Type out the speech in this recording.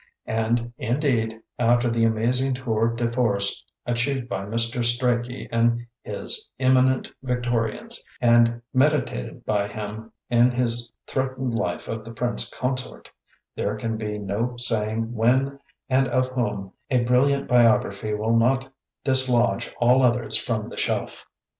And, indeed, after the amazing tour de force achieved by Mr. Strachey in his "Eminent Victorians" and medi tated by him in his threatened life of the Prince Consort, there can be no saying when and of whom a brilliant biography will not dislodge all others from the shelf.